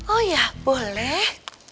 oh ya boleh